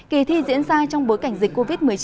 kỳ thi diễn ra trong bối cảnh dịch covid một mươi chín